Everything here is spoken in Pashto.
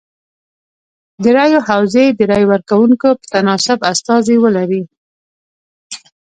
د رایو حوزې د رای ورکوونکو په تناسب استازي ولري.